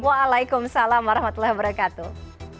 waalaikumsalam warahmatullahi wabarakatuh